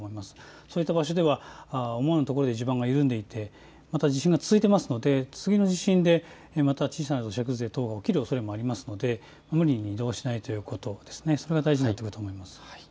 そういった場所では思わぬところが地盤が緩んでいて、地震が続いていますので次の土砂崩れ等が起きるおそれがありますので無理に移動しないということ、それが大事になると思います。